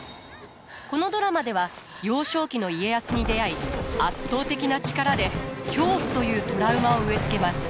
このドラマでは幼少期の家康に出会い圧倒的な力で恐怖というトラウマを植え付けます。